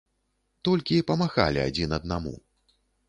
Толькі памахалі адзін аднаму.